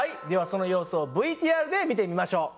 その様子をＶＴＲで見てみましょう。